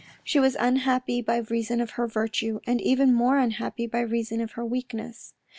She was unhappy by reason of her virtue, and even more unhappy by reason of her weakness.